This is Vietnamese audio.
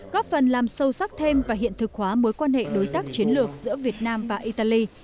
góp phần làm sâu sắc thêm và hiện thực hóa mối quan hệ đối tác chiến lược giữa việt nam và italy